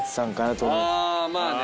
あまあね。